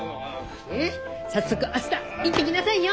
ねっ早速明日行ってきなさいよ！